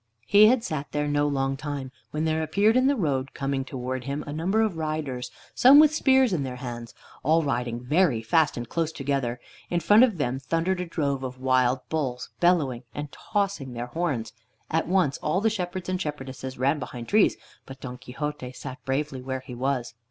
He had sat there no long time when there appeared on the road coming towards him a number of riders, some with spears in their hands, all riding very fast and close together. In front of them thundered a drove of wild bulls, bellowing and tossing their horns. At once all the shepherds and the shepherdesses ran behind trees, but Don Quixote sat bravely where he was.